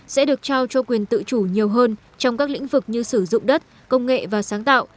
sẽ được trao cho quyền tự chủ nhiều hơn trong các lĩnh vực như sử dụng đất công nghệ và sáng tạo